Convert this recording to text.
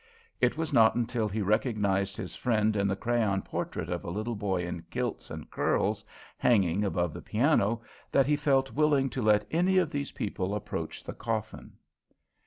It was not until he recognized his friend in the crayon portrait of a little boy in kilts and curls, hanging above the piano, that he felt willing to let any of these people approach the coffin.